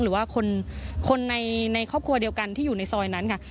หรือว่าคนในครอบครัวเดียวกันที่อยู่ในซอยนั้นค่ะ